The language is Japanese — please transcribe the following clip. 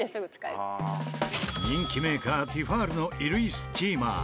人気メーカーティファールの衣類スチーマー。